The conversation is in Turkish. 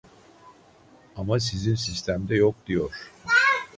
Ama sizin sistemde yok diyor